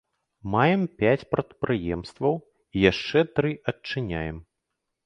Маем пяць прадпрыемстваў і яшчэ тры адчыняем.